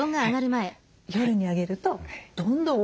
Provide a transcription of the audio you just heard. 夜にあげるとどんどん大きくなります。